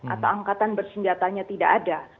atau angkatan bersenjatanya tidak ada